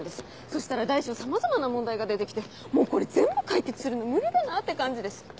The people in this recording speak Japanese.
そしたら大小さまざまな問題が出て来てもうこれ全部解決するの無理だなって感じです。